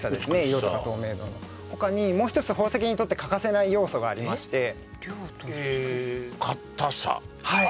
色とか透明度の他にもう一つ宝石にとって欠かせない要素がありまして量とえ硬さはい